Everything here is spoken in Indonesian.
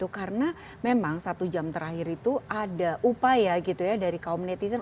karena memang satu jam terakhir itu ada upaya dari kaum netizen